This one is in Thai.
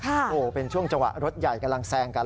โอ้โหเป็นช่วงจังหวะรถใหญ่กำลังแซงกัน